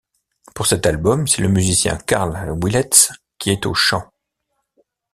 Pour cet album, c'est le musicien Karl Willetts qui est au chant.